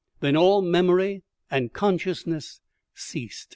Then all memory and consciousness ceased.